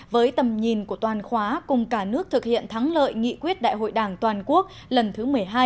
với tầm nhìn của toàn khóa cùng cả nước thực hiện thắng lợi nghị quyết đại hội đảng toàn quốc lần thứ một mươi hai